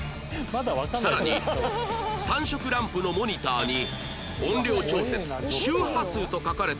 さらに３色ランプのモニターに音量調節周波数と書かれたダイヤルが